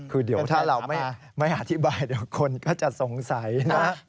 คือเดี๋ยวถ้าเราไม่อธิบายเดี๋ยวคนก็จะสงสัยนะ